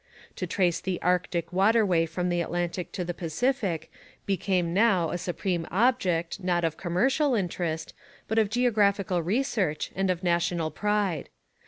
To trace the Arctic water way from the Atlantic to the Pacific became now a supreme object, not of commercial interest, but of geographical research and of national pride.